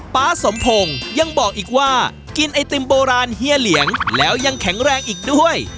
๊าสมพงศ์ยังบอกอีกว่ากินไอติมโบราณเฮียเหลียงแล้วยังแข็งแรงอีกด้วย